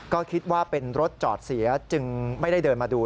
ก็คิดว่าเป็นรถจอดเสียจึงไม่ได้เดินมาดู